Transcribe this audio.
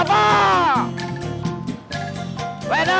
ledang ledang ledang